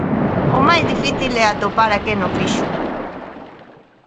O máis difícil é atopar a quen o fixo.